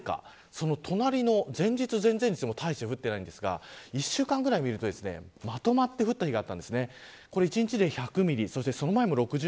その隣の、前日、前々日も大して降っていないんですが１週間ぐらいでまとまって降った日があったんです。